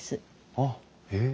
あっへえ。